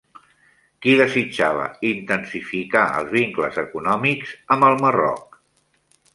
Qui desitjava intensificar els vincles econòmics amb el Marroc?